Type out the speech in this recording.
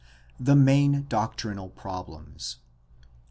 The main doctrinal problems.